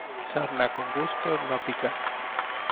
Sarna con gusto, no pica.